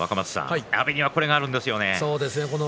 阿炎にはこれがあるんですよね。